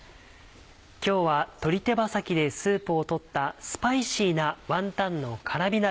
今日は鶏手羽先でスープを取ったスパイシーな「ワンタンの辛み鍋」。